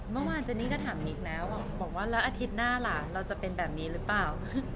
เมื่อวานนี้เจนี่ก็ถามนิกแล้วบอกว่าแล้วอาทิตย์หน้าล่ะเราจะเป็นแบบนี้หรือเปล่า